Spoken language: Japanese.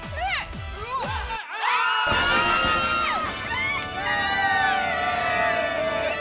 やった！